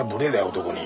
男に。